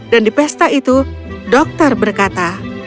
dan di pesta itu dokter berkata